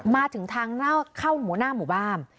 มาถึงทางเข้าหมู่บ้าน